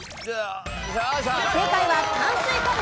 正解は炭水化物。